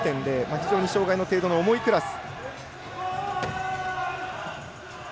非常に障がいの程度の重いクラス。